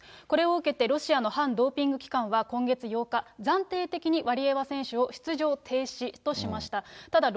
これを受けてロシアの反ドーピング機関は、今月８日、暫定的にワリエワ選手を出場停止としました。